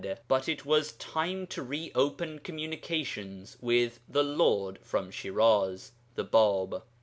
But it was time to reopen communications with the 'lord from Shiraz' (the Bāb).